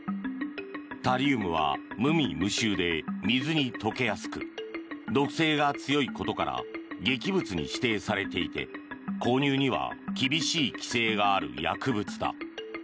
タリウムは無味無臭で水に溶けやすく毒性が強いことから劇物に指定されていて購入には厳しい規制がある薬物だ。